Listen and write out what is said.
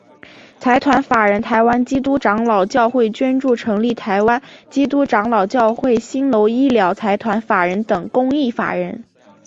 财团法人台湾基督长老教会捐助成立台湾基督长老教会新楼医疗财团法人等公益法人。